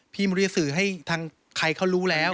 พี่มริยสือให้ทางใครเขารู้แล้ว